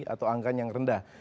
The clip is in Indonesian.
atau angka yang rendah